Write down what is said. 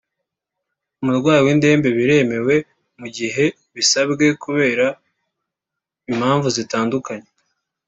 umurwayi w’indembe biremewe mu gihe bisabwe kubera impamvu zitandukanye